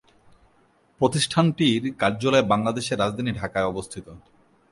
প্রতিষ্ঠানটির কার্যালয় বাংলাদেশের রাজধানী ঢাকায় অবস্থিত।